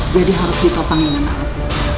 jadi harus ditopang dengan anak